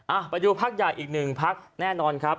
อ่าประโยชน์ภาคใหญ่อีกนึงภักด์แน่นอนครับ